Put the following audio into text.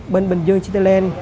bên bình dương cityland